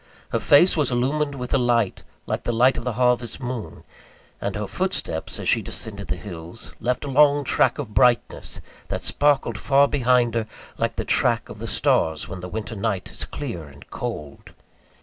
Her face was illumined with a light, like the light of the harvest moon; and her footsteps, as she descended the hills, left a long track of brightness, that sparkled far behind her, like the track of the stars when the winter night is clear and cold.